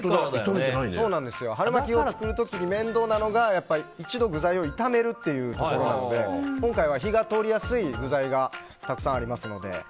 春巻きを作る時に面倒なのが一度、具材を炒めるところなので今回は火が通りやすい具材がたくさんありますので。